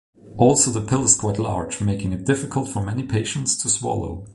Also, the pill is quite large, making it difficult for many patients to swallow.